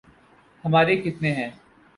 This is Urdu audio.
ہمارے کتنے ہیں۔